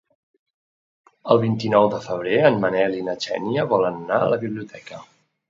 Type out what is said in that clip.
El vint-i-nou de febrer en Manel i na Xènia volen anar a la biblioteca.